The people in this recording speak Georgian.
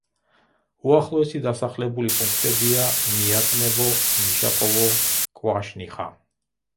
უახლოესი დასახლებული პუნქტებია: მიატნევო, მიშაკოვო, კვაშნიხა.